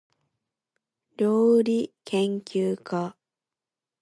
りょうりけんきゅうか